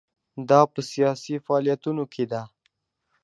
دا په سیاسي فعالیتونو کې ده.